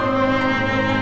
terus berutangku sayang